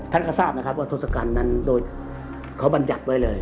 ท่านก็ทราบนะครับว่าทศกัณฐ์นั้นโดยเขาบรรยัติไว้เลย